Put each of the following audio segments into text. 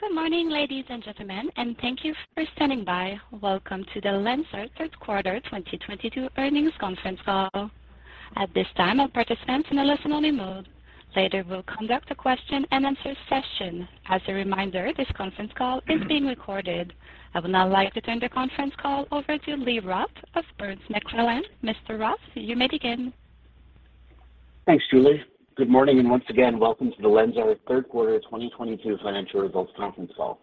Good morning, ladies and gentlemen, and thank you for standing by. Welcome to the LENSAR Third Quarter 2022 Earnings Conference Call. At this time, all participants are in a listen-only mode. Later, we'll conduct a question-and-answer session. As a reminder, this conference call is being recorded. I would now like to turn the conference call over to Lee Roth of Burns McClellan. Mr. Roth, you may begin. Thanks, Julie. Good morning, and once again, welcome to the LENSAR Third Quarter 2022 Financial Results Conference Call.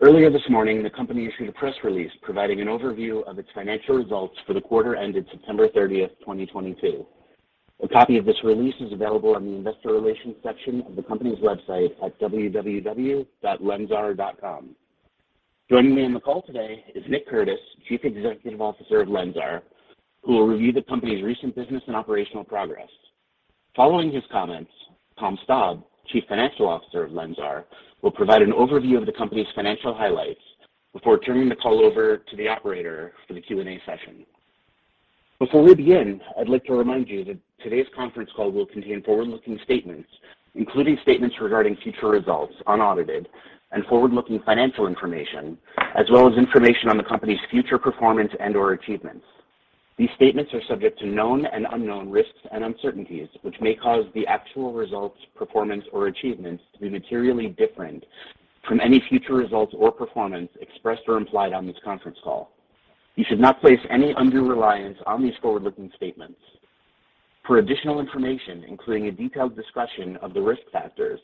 Earlier this morning, the company issued a press release providing an overview of its financial results for the quarter ended September 30th, 2022. A copy of this release is available on the investor relations section of the company's website at www.lensar.com. Joining me on the call today is Nick Curtis, Chief Executive Officer of LENSAR, who will review the company's recent business and operational progress. Following his comments, Tom Staab, Chief Financial Officer of LENSAR, will provide an overview of the company's financial highlights before turning the call over to the operator for the Q&A session. Before we begin, I'd like to remind you that today's conference call will contain forward-looking statements, including statements regarding future results, unaudited and forward-looking financial information, as well as information on the company's future performance and/or achievements. These statements are subject to known and unknown risks and uncertainties, which may cause the actual results, performance, or achievements to be materially different from any future results or performance expressed or implied on this conference call. You should not place any undue reliance on these forward-looking statements. For additional information, including a detailed discussion of the risk factors,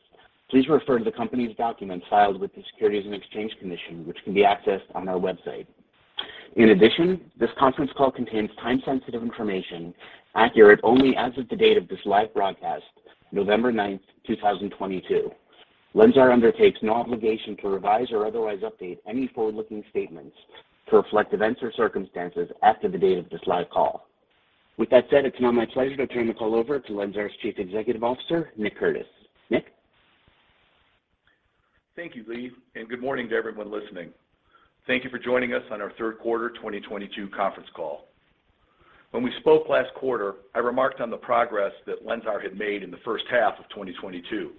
please refer to the company's documents filed with the Securities and Exchange Commission, which can be accessed on our website. In addition, this conference call contains time-sensitive information, accurate only as of the date of this live broadcast, November 9th, 2022. LENSAR undertakes no obligation to revise or otherwise update any forward-looking statements to reflect events or circumstances after the date of this live call. With that said, it's now my pleasure to turn the call over to LENSAR's Chief Executive Officer, Nick Curtis. Nick. Thank you, Lee, and good morning to everyone listening. Thank you for joining us on our third quarter 2022 conference call. When we spoke last quarter, I remarked on the progress that LENSAR had made in the first half of 2022,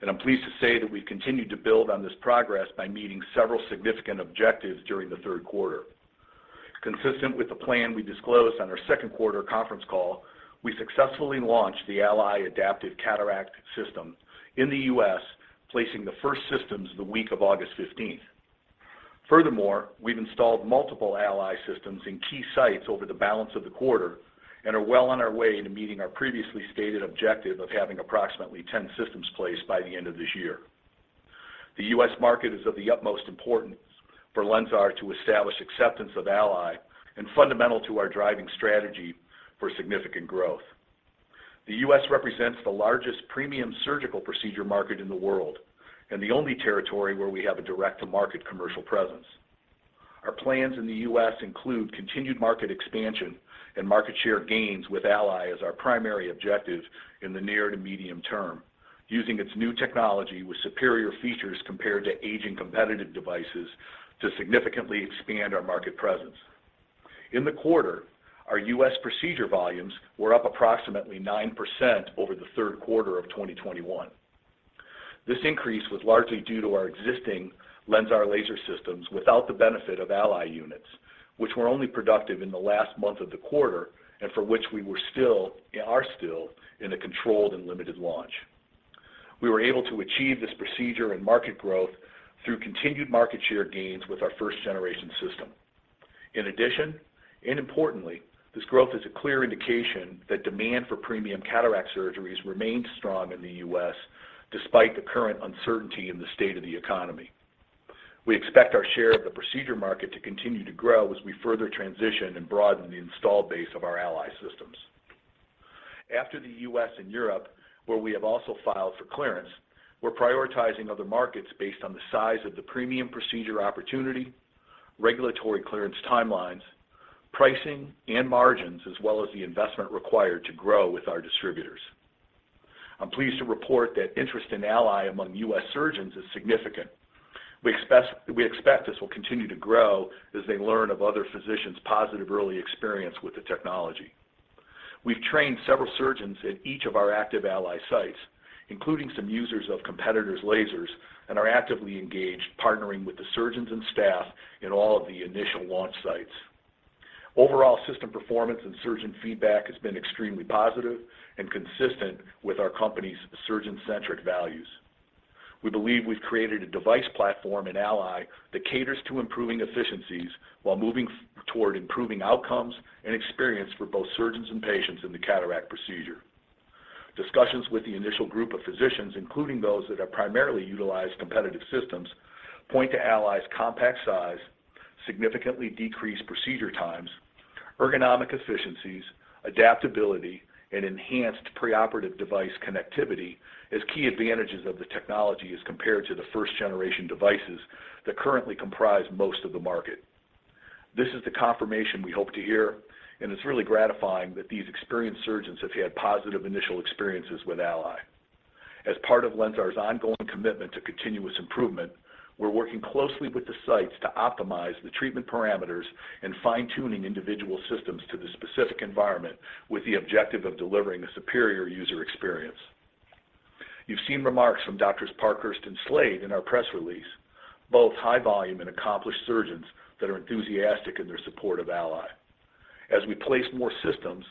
and I'm pleased to say that we continued to build on this progress by meeting several significant objectives during the third quarter. Consistent with the plan we disclosed on our second quarter conference call, we successfully launched the ALLY Adaptive Cataract System in the US, placing the first systems the week of August fifteenth. Furthermore, we've installed multiple ALLY systems in key sites over the balance of the quarter and are well on our way to meeting our previously stated objective of having approximately 10 systems placed by the end of this year. The U.S. market is of the utmost importance for LENSAR to establish acceptance of ALLY and fundamental to our driving strategy for significant growth. The U.S. represents the largest premium surgical procedure market in the world and the only territory where we have a direct-to-market commercial presence. Our plans in the U.S. include continued market expansion and market share gains, with ALLY as our primary objective in the near to medium term, using its new technology with superior features compared to aging competitive devices to significantly expand our market presence. In the quarter, our U.S. procedure volumes were up approximately 9% over the third quarter of 2021. This increase was largely due to our existing LENSAR laser systems without the benefit of ALLY units, which were only productive in the last month of the quarter and for which we are still in a controlled and limited launch. We were able to achieve this procedure and market growth through continued market share gains with our first-generation system. In addition, and importantly, this growth is a clear indication that demand for premium cataract surgeries remains strong in the U.S. despite the current uncertainty in the state of the economy. We expect our share of the procedure market to continue to grow as we further transition and broaden the installed base of our ALLY systems. After the U.S. and Europe, where we have also filed for clearance, we're prioritizing other markets based on the size of the premium procedure opportunity, regulatory clearance timelines, pricing, and margins, as well as the investment required to grow with our distributors. I'm pleased to report that interest in ALLY among U.S. surgeons is significant. We expect this will continue to grow as they learn of other physicians' positive early experience with the technology. We've trained several surgeons at each of our active ALLY sites, including some users of competitors' lasers, and are actively engaged partnering with the surgeons and staff in all of the initial launch sites. Overall system performance and surgeon feedback has been extremely positive and consistent with our company's surgeon-centric values. We believe we've created a device platform in ALLY that caters to improving efficiencies while moving toward improving outcomes and experience for both surgeons and patients in the cataract procedure. Discussions with the initial group of physicians, including those that have primarily utilized competitive systems, point to ALLY's compact size, significantly decreased procedure times, ergonomic efficiencies, adaptability, and enhanced preoperative device connectivity as key advantages of the technology as compared to the first-generation devices that currently comprise most of the market. This is the confirmation we hope to hear, and it's really gratifying that these experienced surgeons have had positive initial experiences with ALLY. As part of LENSAR's ongoing commitment to continuous improvement. We're working closely with the sites to optimize the treatment parameters and fine-tuning individual systems to the specific environment with the objective of delivering a superior user experience. You've seen remarks from Doctors Parkhurst and Slade in our press release, both high-volume and accomplished surgeons that are enthusiastic in their support of ALLY. As we place more systems,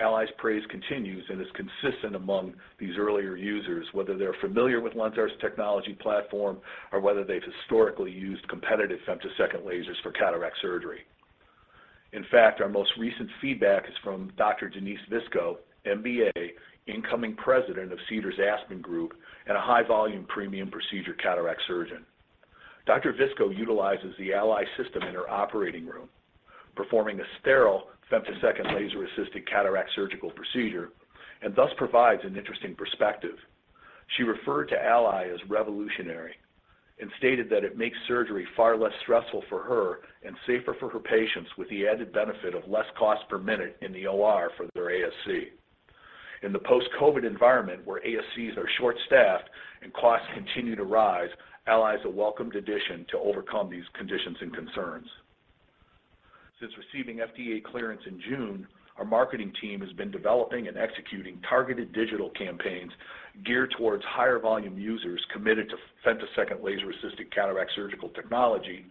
ALLY's praise continues and is consistent among these earlier users, whether they're familiar with LENSAR's technology platform or whether they've historically used competitive femtosecond lasers for cataract surgery. In fact, our most recent feedback is from Dr. Denise Visco, MBA, incoming President of Cedars/Aspens and a high-volume premium procedure cataract surgeon. Dr. Visco utilizes the ALLY system in her operating room, performing a sterile femtosecond laser-assisted cataract surgical procedure and thus provides an interesting perspective. She referred to ALLY as revolutionary and stated that it makes surgery far less stressful for her and safer for her patients, with the added benefit of less cost per minute in the OR for their ASC. In the post-COVID environment, where ASCs are short-staffed and costs continue to rise, ALLY is a welcomed addition to overcome these conditions and concerns. Since receiving FDA clearance in June, our marketing team has been developing and executing targeted digital campaigns geared towards higher-volume users committed to femtosecond laser-assisted cataract surgical technology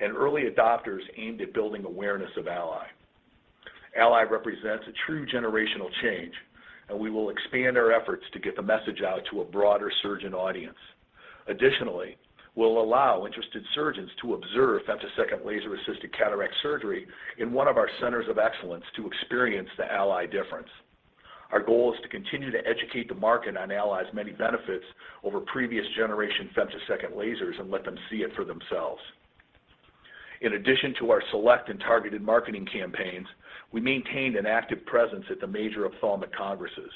and early adopters aimed at building awareness of ALLY. ALLY represents a true generational change, and we will expand our efforts to get the message out to a broader surgeon audience. Additionally, we'll allow interested surgeons to observe femtosecond laser-assisted cataract surgery in one of our Centers of Excellence to experience the ALLY difference. Our goal is to continue to educate the market on ALLY's many benefits over previous generation femtosecond lasers and let them see it for themselves. In addition to our select and targeted marketing campaigns, we maintained an active presence at the major ophthalmic congresses.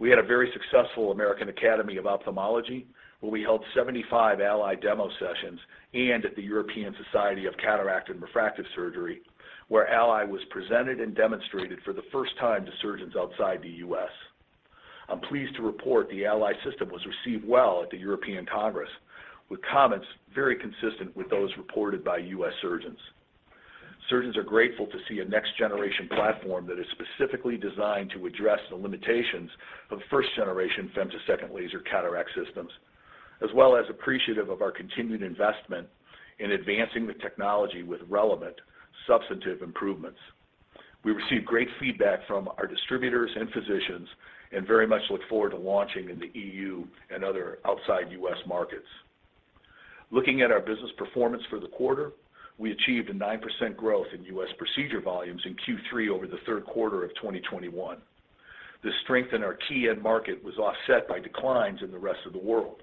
We had a very successful American Academy of Ophthalmology, where we held 75 ALLY demo sessions, and at the European Society of Cataract and Refractive Surgery, where ALLY was presented and demonstrated for the first time to surgeons outside the U.S. I'm pleased to report the ALLY system was received well at the European Congress, with comments very consistent with those reported by U.S. surgeons. Surgeons are grateful to see a next-generation platform that is specifically designed to address the limitations of first-generation femtosecond laser cataract systems, as well as appreciative of our continued investment in advancing the technology with relevant, substantive improvements. We received great feedback from our distributors and physicians and very much look forward to launching in the E.U. and other outside U.S. markets. Looking at our business performance for the quarter, we achieved a 9% growth in U.S. procedure volumes in Q3 over the third quarter of 2021. The strength in our key end market was offset by declines in the rest of the world.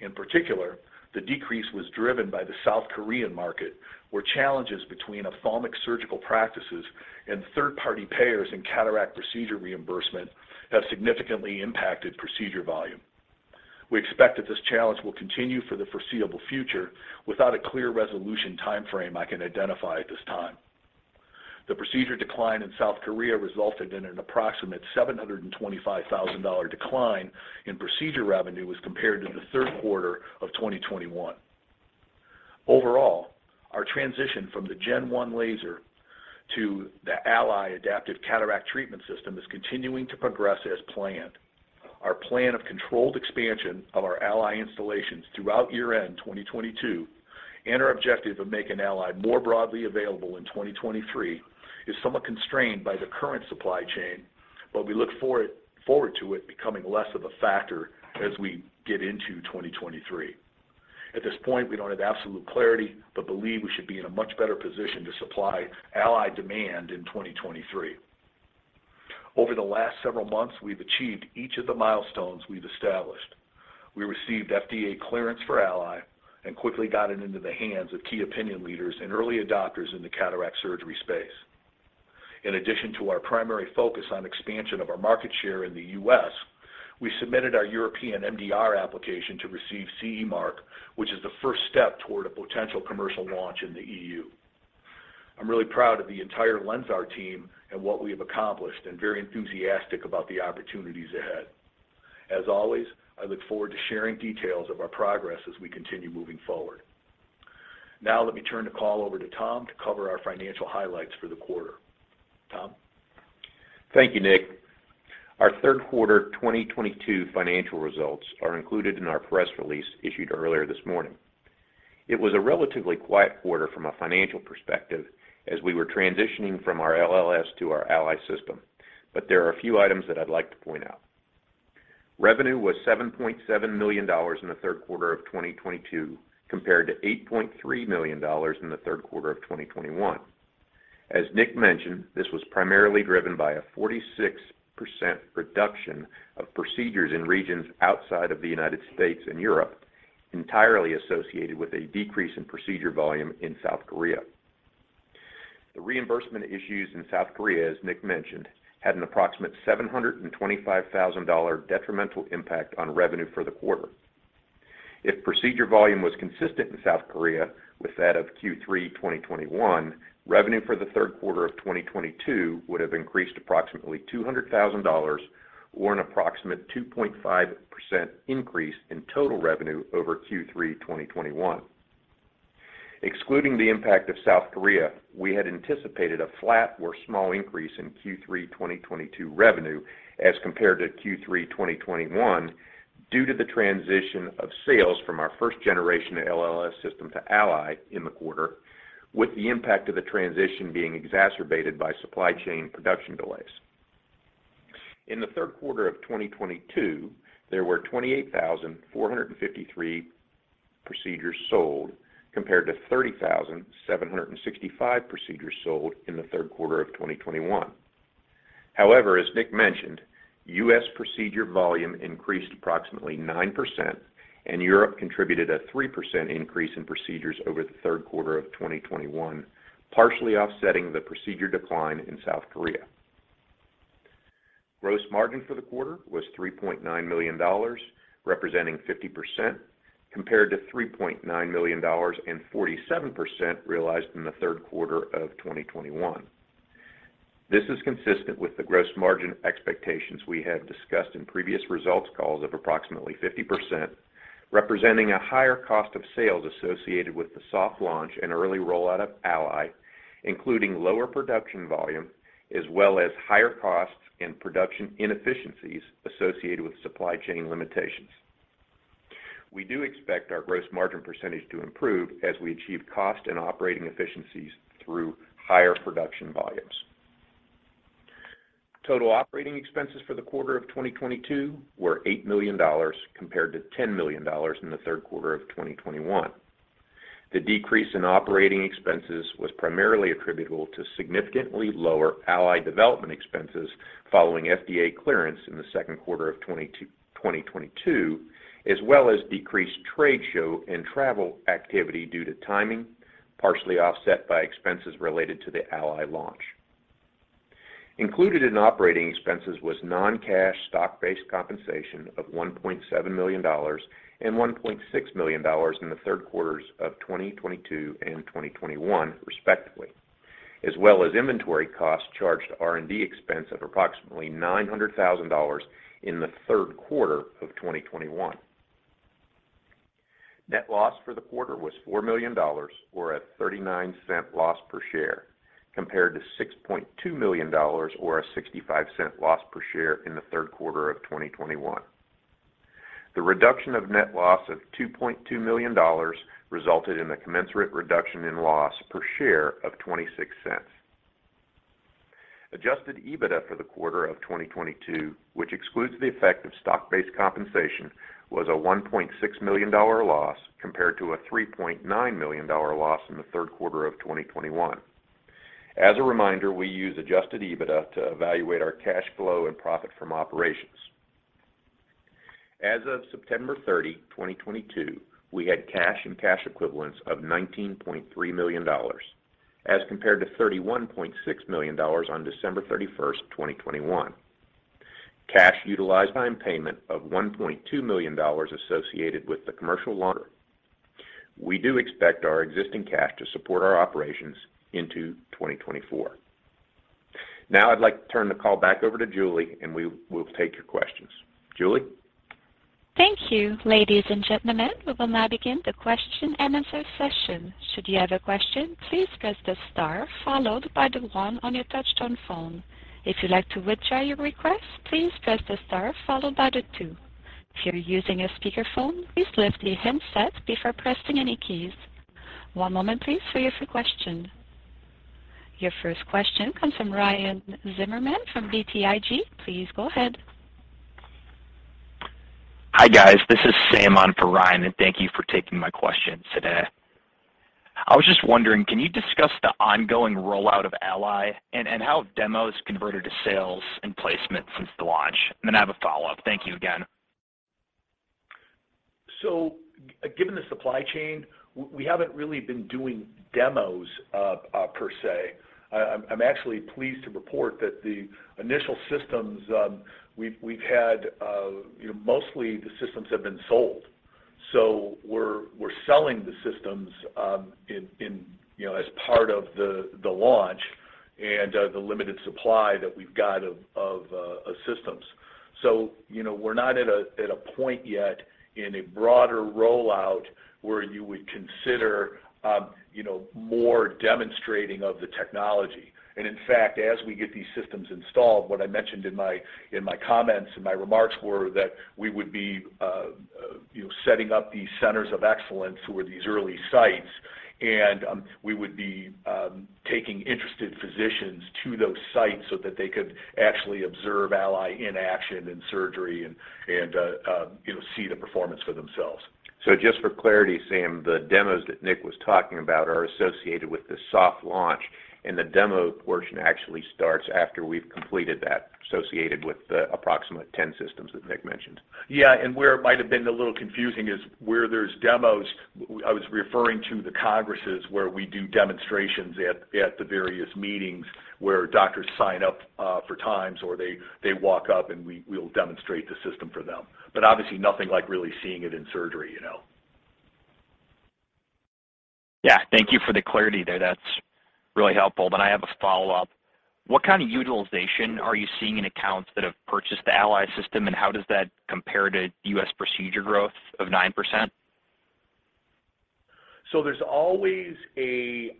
In particular, the decrease was driven by the South Korean market, where challenges between ophthalmic surgical practices and third-party payers in cataract procedure reimbursement have significantly impacted procedure volume. We expect that this challenge will continue for the foreseeable future without a clear resolution timeframe I can identify at this time. The procedure decline in South Korea resulted in an approximate $725,000 decline in procedure revenue as compared to the third quarter of 2021. Overall, our transition from the Gen 1 laser to the ALLY Adaptive Cataract Treatment System is continuing to progress as planned. Our plan of controlled expansion of our ALLY installations throughout year-end 2022 and our objective of making ALLY more broadly available in 2023 is somewhat constrained by the current supply chain, but we look forward to it becoming less of a factor as we get into 2023. At this point, we don't have absolute clarity but believe we should be in a much better position to supply ALLY demand in 2023. Over the last several months, we've achieved each of the milestones we've established. We received FDA clearance for ALLY and quickly got it into the hands of key opinion leaders and early adopters in the cataract surgery space. In addition to our primary focus on expansion of our market share in the U.S., we submitted our European MDR application to receive CE mark, which is the first step toward a potential commercial launch in the E.U. I'm really proud of the entire LENSAR team and what we have accomplished and very enthusiastic about the opportunities ahead. As always, I look forward to sharing details of our progress as we continue moving forward. Now let me turn the call over to Tom to cover our financial highlights for the quarter. Tom? Thank you, Nick. Our third quarter 2022 financial results are included in our press release issued earlier this morning. It was a relatively quiet quarter from a financial perspective as we were transitioning from our LLS to our ALLY system, but there are a few items that I'd like to point out. Revenue was $7.7 million in the third quarter of 2022 compared to $8.3 million in the third quarter of 2021. As Nick mentioned, this was primarily driven by a 46% reduction of procedures in regions outside of the United States and Europe, entirely associated with a decrease in procedure volume in South Korea. The reimbursement issues in South Korea, as Nick mentioned, had an approximate $725,000 detrimental impact on revenue for the quarter. If procedure volume was consistent in South Korea with that of Q3 2021, revenue for the third quarter of 2022 would have increased approximately $200,000 or an approximate 2.5% increase in total revenue over Q3 2021. Excluding the impact of South Korea, we had anticipated a flat or small increase in Q3 2022 revenue as compared to Q3 2021 due to the transition of sales from our first generation LLS system to ALLY in the quarter, with the impact of the transition being exacerbated by supply chain production delays. In the third quarter of 2022, there were 28,453 procedures sold compared to 30,765 procedures sold in the third quarter of 2021. However, as Nick mentioned, U.S. Procedure volume increased approximately 9%, and Europe contributed a 3% increase in procedures over the third quarter of 2021, partially offsetting the procedure decline in South Korea. Gross margin for the quarter was $3.9 million, representing 50% compared to $3.9 million and 47% realized in the third quarter of 2021. This is consistent with the gross margin expectations we had discussed in previous results calls of approximately 50%, representing a higher cost of sales associated with the soft launch and early rollout of ALLY, including lower production volume as well as higher costs and production inefficiencies associated with supply chain limitations. We do expect our gross margin percentage to improve as we achieve cost and operating efficiencies through higher production volumes. Total operating expenses for the quarter of 2022 were $8 million compared to $10 million in the third quarter of 2021. The decrease in operating expenses was primarily attributable to significantly lower ALLY development expenses following FDA clearance in the second quarter of 2022, as well as decreased trade show and travel activity due to timing, partially offset by expenses related to the ALLY launch. Included in operating expenses was non-cash stock-based compensation of $1.7 million and $1.6 million in the third quarters of 2022 and 2021, respectively, as well as inventory costs charged to R&D expense of approximately $900,000 in the third quarter of 2021. Net loss for the quarter was $4 million or $0.39 loss per share, compared to $6.2 million or $0.65 loss per share in the third quarter of 2021. The reduction of net loss of $2.2 million resulted in a commensurate reduction in loss per share of $0.26. Adjusted EBITDA for the quarter of 2022, which excludes the effect of stock-based compensation, was a $1.6 million loss compared to a $3.9 million loss in the third quarter of 2021. As a reminder, we use Adjusted EBITDA to evaluate our cash flow and profit from operations. As of September 30th, 2022, we had cash and cash equivalents of $19.3 million as compared to $31.6 million on December 31, 2021. Cash utilized by payment of $1.2 million associated with the commercial loan. We do expect our existing cash to support our operations into 2024. Now I'd like to turn the call back over to Julie, and we will take your questions. Julie? Thank you. Ladies and gentlemen, we will now begin the question and answer session. Should you have a question, please press the star followed by the one on your touch-tone phone. If you'd like to withdraw your request, please press the star followed by the two. If you're using a speakerphone, please lift the handset before pressing any keys. One moment please for your first question. Your first question comes from Ryan Zimmerman from BTIG. Please go ahead. Hi, guys. This is Sam on for Ryan, and thank you for taking my question today. I was just wondering, can you discuss the ongoing rollout of ALLY and how demos converted to sales and placement since the launch? I have a follow-up. Thank you again. Given the supply chain, we haven't really been doing demos per se. I'm actually pleased to report that the initial systems we've had, you know, mostly the systems have been sold. We're selling the systems in, you know, as part of the launch and the limited supply that we've got of systems. You know, we're not at a point yet in a broader rollout where you would consider, you know, more demonstrating of the technology. In fact, as we get these systems installed, what I mentioned in my comments and my remarks were that we would be, you know, setting up these Centers of Excellence who are these early sites, and we would be taking interested physicians to those sites so that they could actually observe ALLY in action in surgery and, you know, see the performance for themselves. Just for clarity, Sam, the demos that Nick was talking about are associated with the soft launch, and the demo portion actually starts after we've completed that, associated with the approximately 10 systems that Nick mentioned. Yeah. Where it might have been a little confusing is where there's demos. I was referring to the congresses where we do demonstrations at the various meetings where doctors sign up for times or they walk up, and we'll demonstrate the system for them. But obviously nothing like really seeing it in surgery, you know. Yeah. Thank you for the clarity there. That's really helpful. I have a follow-up. What kind of utilization are you seeing in accounts that have purchased the ALLY system, and how does that compare to U.S. procedure growth of 9%? There's always a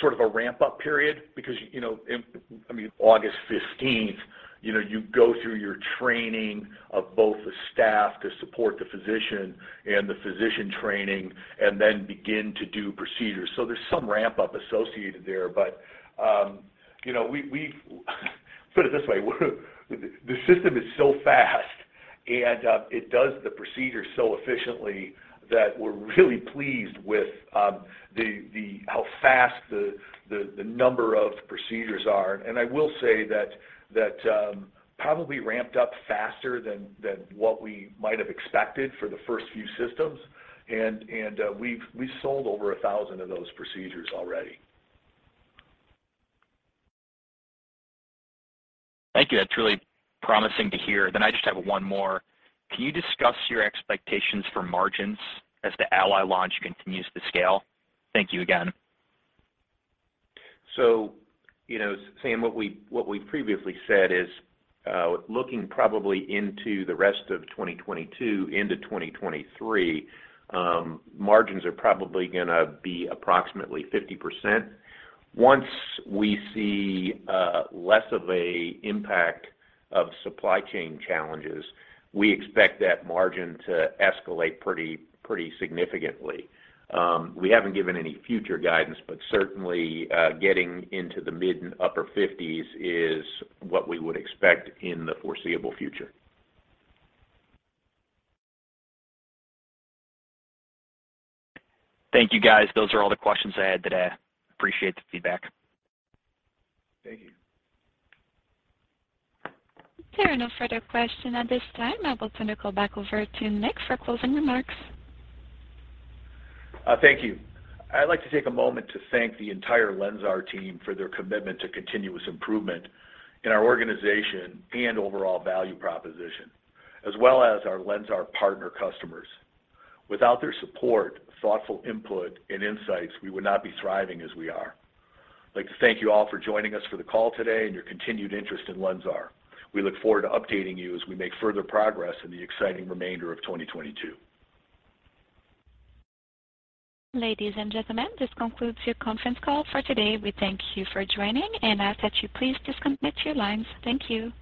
sort of a ramp-up period because, you know, in, I mean, August fifteenth, you know, you go through your training of both the staff to support the physician and the physician training and then begin to do procedures. There's some ramp up associated there. Let me put it this way, the system is so fast and it does the procedure so efficiently that we're really pleased with how fast the number of procedures are. I will say that that probably ramped up faster than what we might have expected for the first few systems. We've sold over 1,000 of those procedures already. Thank you. That's really promising to hear. I just have one more. Can you discuss your expectations for margins as the ALLY launch continues to scale? Thank you again. You know, Sam, what we previously said is looking probably into the rest of 2022 into 2023, margins are probably gonna be approximately 50%. Once we see less of a impact of supply chain challenges, we expect that margin to escalate pretty significantly. We haven't given any future guidance, but certainly getting into the mid and upper 50s% is what we would expect in the foreseeable future. Thank you, guys. Those are all the questions I had today. Appreciate the feedback. Thank you. There are no further questions at this time. I will turn the call back over to Nick for closing remarks. Thank you. I'd like to take a moment to thank the entire LENSAR team for their commitment to continuous improvement in our organization and overall value proposition, as well as our LENSAR partner customers. Without their support, thoughtful input and insights, we would not be thriving as we are. I'd like to thank you all for joining us for the call today and your continued interest in LENSAR. We look forward to updating you as we make further progress in the exciting remainder of 2022. Ladies and gentlemen, this concludes your conference call for today. We thank you for joining and ask that you please disconnect your lines. Thank you.